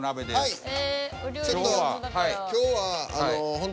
はい。